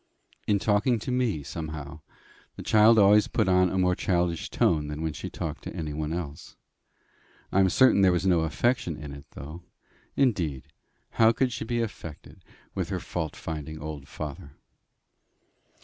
In talking to me, somehow, the child always put on a more childish tone than when she talked to anyone else. I am certain there was no affection in it, though. Indeed, how could she be affected with her fault finding old father?